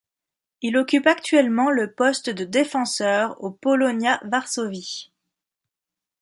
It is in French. Il occupe actuellement le poste de défenseur au Polonia Varsovie.